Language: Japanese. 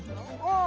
ああ。